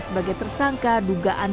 sebagai tersangka dugaan